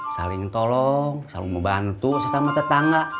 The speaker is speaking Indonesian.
saling tolong saling membantu sesama tetangga